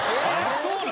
そうなの？